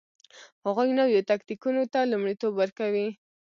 هغوی نویو تکتیکونو ته لومړیتوب ورکوي